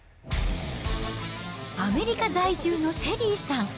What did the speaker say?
アメリカ在住のシェリーさん。